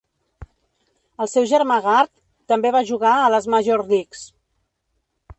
El seu germà Garth també va jugar a les Major Leagues.